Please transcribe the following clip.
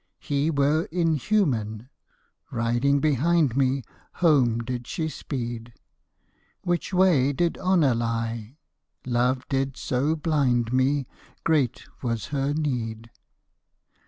He were inhuman. Riding behind me Home did she speed. Which way did honour lie? Love did so blind me, Great was her need.